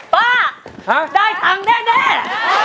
ป้าได้สั่งแน่